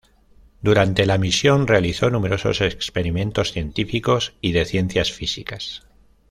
Durante la misión, realizó numerosos experimentos científicos y de ciencias físicas.